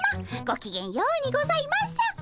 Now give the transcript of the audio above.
ごきげんようにございます。